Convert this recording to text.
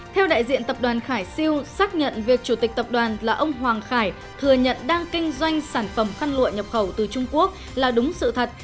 theo đại diện tập đoàn khải siêu xác nhận việc chủ tịch tập đoàn là ông hoàng khải thừa nhận đang kinh doanh sản phẩm khăn lụa nhập khẩu từ trung quốc là đúng sự thật